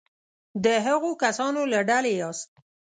د هغو کسانو له ډلې یاست.